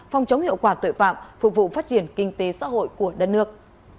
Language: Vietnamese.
phòng chống hiệu quả tội phạm phục vụ phát triển kinh tế xã hội của đất nước